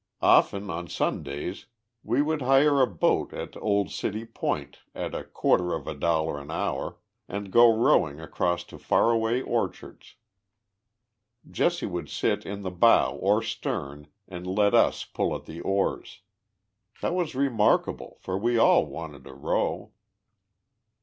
Often, on Sundays, we would hire a boat 84 THE LIFE OF JESSE HABDIXG POMEROY. at old City Point, at a quarter of a dollar an hour, and go rowing across to far away orchards. Jesse would sit in the bow or stern and let us pull at the oars. That was remarkable, for we all wanted to row.